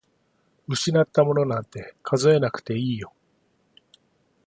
失ったものなんて数えなくていいよ。